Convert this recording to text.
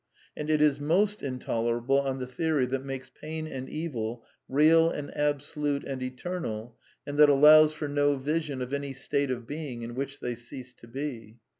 And it is most intolerable on the theory that makes pain and evil real and absolute and eternal, and that allows for no vision of any state of being in which they cease to be.